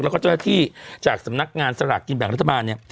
แล้วเขาทางอาทิตย์จากสำนักงานสลากกินแบ่งรัฐบาลเนี่ย